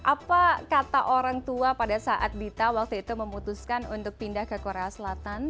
apa kata orang tua pada saat dita waktu itu memutuskan untuk pindah ke korea selatan